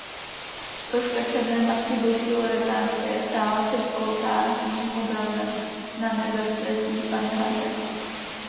Soška Černé Matky Boží Loretánské stála před oltářním obrazem Nanebevzetí Panny Marie.